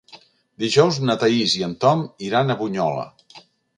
Dijous na Thaís i en Tom iran a Bunyola.